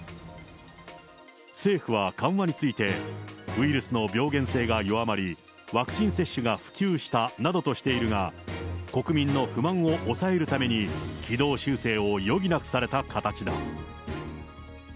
政府は緩和について、ウイルスの病原性が弱まり、ワクチン接種が普及したなどとしているが、国民の不満を抑えるために軌道修正を余儀なくされた形だ。